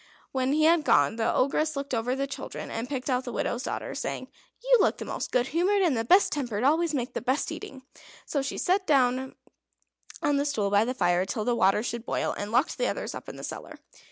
When he had gone, the Ogress looked over the children, and picked out the widow's daughter, saying: "You look the most good humoured. And the best tempered always make the best eating." So she set her down on a stool by the fire till the water should boil, and locked the others up in the cellar.